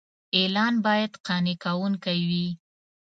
اعلان باید قانع کوونکی وي.